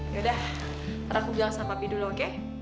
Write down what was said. yaudah tar aku bilang sama papi dulu oke